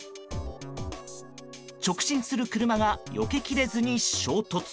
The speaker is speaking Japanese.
直進する車がよけきれずに衝突。